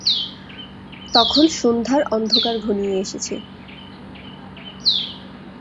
তখন সন্ধ্যার অন্ধকার ঘনিয়ে এসেছে।